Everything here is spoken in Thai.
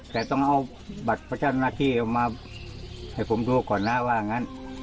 แต่ต้องเอาบัตรพระเจ้าหน้าที่เอามาให้ผมดูก่อนนะว่างั้น